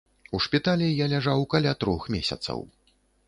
У шпіталі я ляжаў каля трох месяцаў.